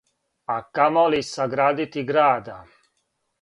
А камоли саградити града,